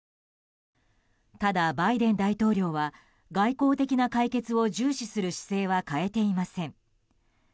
ただ、バイデン大統領は外交的な解決を重視する姿勢は変えていません。